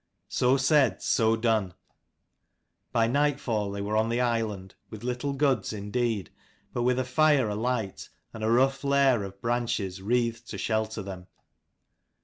So said so done. By nightfall they were on the island, with little goods indeed, but with a fire alight, and a rough lair of branches wreathed to shelter them.